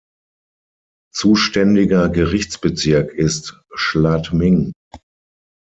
Zuständiger Gerichtsbezirk ist Schladming.